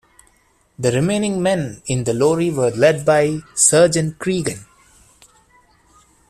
The remaining men in the lorry were led by Sergeant Creegan.